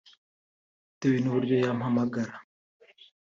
Bitewe n’uburyo yampamagara